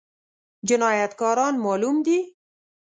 جنايتکاران معلوم دي؟